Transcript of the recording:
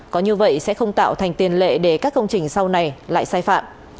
có như vậy sẽ không tạo thành tiền lệ để các công trình sau này lại sai phạm